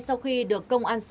ngay sau khi được công an sản